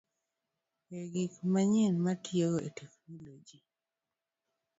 E gik manyien mitiyogo e teknoloji.